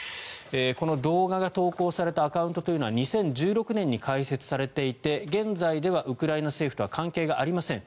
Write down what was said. この動画が投稿されたアカウントというのは２０１６年に開設されていて現在ではウクライナ政府とは関係がありません。